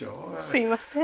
すいません。